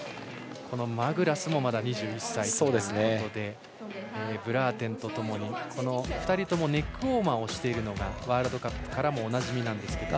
マグラスもまだ２１歳ということでブラーテンとともに、２人ともネックウォーマーをしているのがワールドカップからおなじみです。